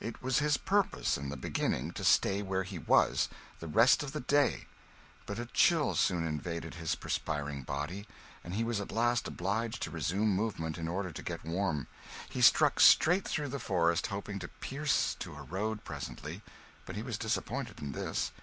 It was his purpose, in the beginning, to stay where he was the rest of the day; but a chill soon invaded his perspiring body, and he was at last obliged to resume movement in order to get warm. He struck straight through the forest, hoping to pierce to a road presently, but he was disappointed in this.